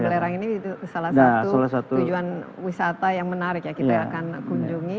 belerang ini salah satu tujuan wisata yang menarik ya kita akan kunjungi